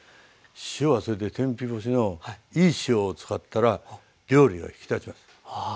塩はそれで天日干しのいい塩を使ったら料理が引き立ちます。